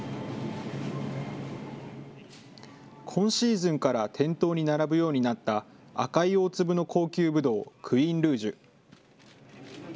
今シーズンから店頭に並ぶようになった、赤い大粒の高級ブドウ、クイーンルージュ。